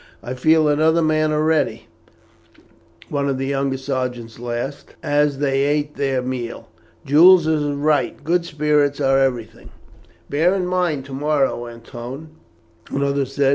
"I feel another man already," one of the younger sergeants laughed, as they ate their meal. "Jules is right; good spirits are everything." "Bear that in mind to morrow, Antoine," another said.